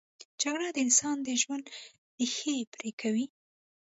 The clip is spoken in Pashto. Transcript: جګړه د انسان د ژوند ریښې پرې کوي